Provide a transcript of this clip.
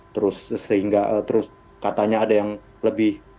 terus sehingga terus katanya ada yang lebih